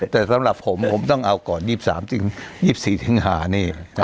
แต่สำหรับผมผมต้องเอาก่อน๒๓๒๔สิงหานี่